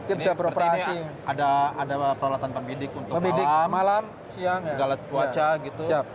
ini seperti ini ada peralatan pemidik untuk malam segala cuaca gitu